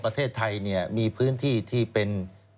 ประเทศไทยมีพื้นที่ที่เป็น